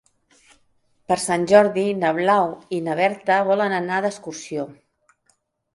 Per Sant Jordi na Blau i na Berta volen anar d'excursió.